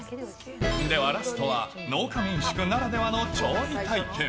では、ラストは農家民宿ならではの調理体験。